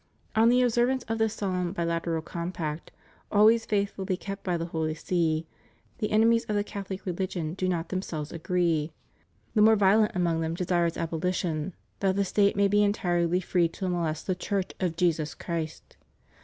On the observance of this solemn, bi lateral compact, always faithfully kept by the Holy See, the enemies of the Catholic religion do not themselves agree. ... The more violent among them desire its abolition, that the State may be entirely free to molest the Church of JESUS CHRIST.